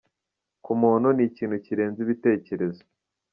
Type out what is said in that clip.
Ku muntu, ni ikintu kirenze ibitekerezo.